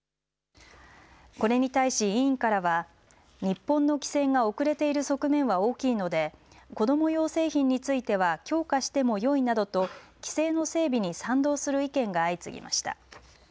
これに対し委員からは日本の規制が遅れている側面は大きいので子ども用製品については強化してもよいなどと規制の整備に賛同する意見が相次ぎました。